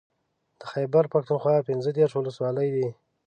د خېبر پښتونخوا پنځه دېرش ولسوالۍ دي